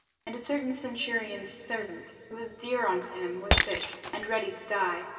And a certain centurion's servant, who was dear unto him, was sick, and ready to die.